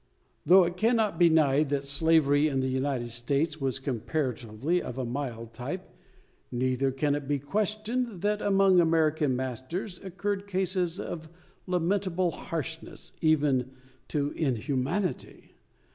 Though it cannot be denied, that slavery in the States was, comparatively, of a mild type, neither can it be questioned, that among American masters occurred cases of lamentable harshness even to inhumanity.